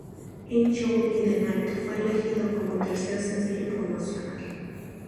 Angel in the Night fue elegido como tercer sencillo promocional.